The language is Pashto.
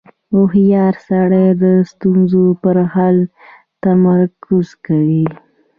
• هوښیار سړی د ستونزو پر حل تمرکز کوي.